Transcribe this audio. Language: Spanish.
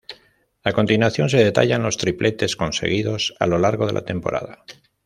A continuación se detallan los tripletes conseguidos a lo largo de la temporada.